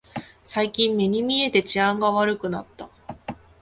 最近目に見えて治安が悪くなった